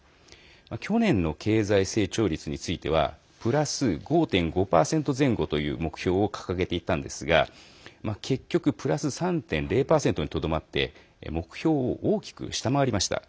去年の経済成長率についてはプラス５．５％前後という目標を掲げていたんですが結局プラス３．０％にとどまって目標を大きく下回りました。